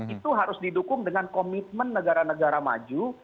itu harus didukung dengan komitmen negara negara maju